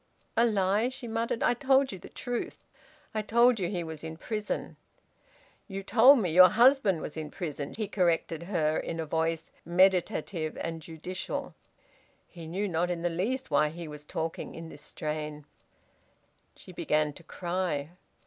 "A lie?" she muttered. "I told you the truth. I told you he was in prison." "You told me your husband was in prison," he corrected her, in a voice meditative and judicial. He knew not in the least why he was talking in this strain. She began to cry.